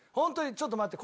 ちょっと待って。